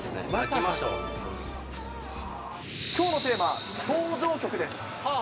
きょうのテーマ、登場曲です。